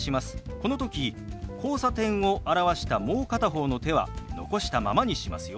この時「交差点」を表したもう片方の手は残したままにしますよ。